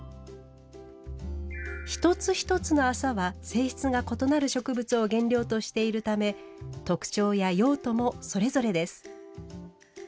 一つ一つの麻は性質が異なる植物を原料としているため特徴や用途もそれぞれです。